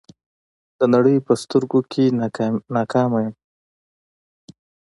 د نړۍ په سترګو کې ناکامه یم.